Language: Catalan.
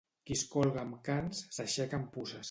Qui es colga amb cans, s'aixeca amb puces.